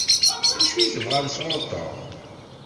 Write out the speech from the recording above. D acu i tebɣam sɣur Tom?